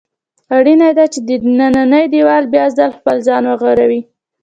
اړینه ده چې دننی دېوال بیا ځل خپل ځان ورغوي.